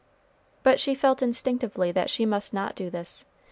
But she felt instinctively that she must not do this.